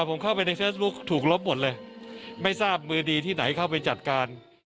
ผมเข้าไปในเฟซบุ๊คถูกลบหมดเลยไม่ทราบมือดีที่ไหนเข้าไปจัดการ